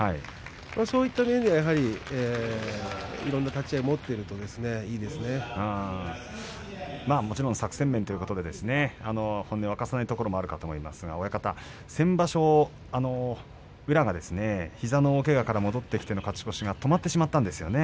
そういった面でいろんな立ち合いを持っているともちろん作戦面ということで本音を明かさないところもあるかと思いますが先場所、宇良が膝の大けがから戻ってきての勝ち越しが止まってしまったんですよね。